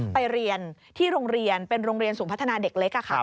ไปเรียนที่โรงเรียนเป็นโรงเรียนศูนย์พัฒนาเด็กเล็ก